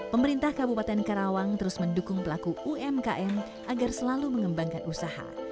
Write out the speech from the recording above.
pemerintah kabupaten karawang terus mendukung pelaku umkm agar selalu mengembangkan usaha